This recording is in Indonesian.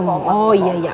kakek rena rena sayang